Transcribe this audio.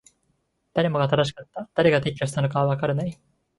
誰もが正しかった。誰が撤去したのかはわからない。